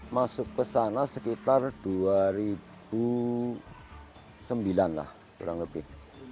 masuk kesana sekitar dua ribu sembilan lah kurang lebih